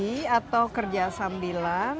profesi atau kerja sambilan